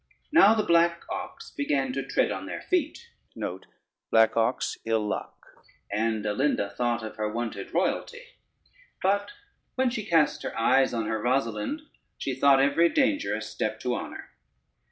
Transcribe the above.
Now the black ox began to tread on their feet, and Alinda thought of her wonted royalty; but when she cast her eyes on her Rosalynde, she thought every danger a step to honor.